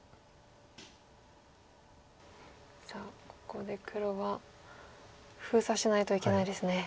さあここで黒は封鎖しないといけないですね。